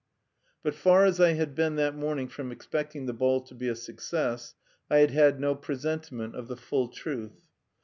But far as I had been that morning from expecting the ball to be a success, I had had no presentiment of the full truth.